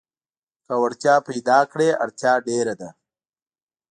که وړتيا پيداکړې اړتيا ډېره ده.